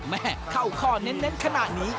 แม่เข้าข้อเน้นขนาดนี้